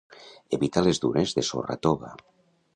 Evita les dunes de sorra tova.